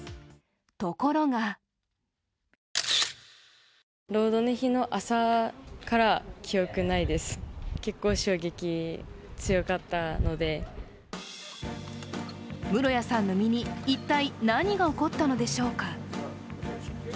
ところが室谷さんの身に一体何が起こったのでしょうか？